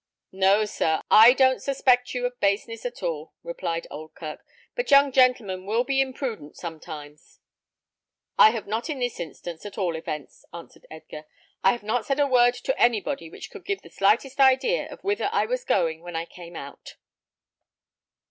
"No, sir, I don't suspect you of baseness, at all," replied Oldkirk; "but young gentlemen will be imprudent sometimes." "I have not in this instance, at all events," answered Edgar. "I have not said a word to anybody which could give the slightest idea of whither I was going when I came out."